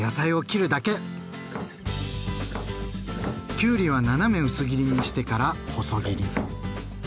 きゅうりは斜め薄切りにしてから細切り。